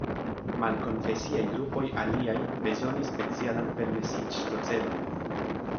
Malkonfesiaj grupoj aliaj bezonis specialan permesiĝprocedon.